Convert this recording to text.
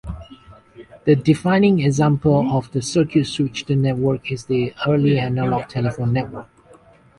The defining example of a circuit-switched network is the early analog telephone network.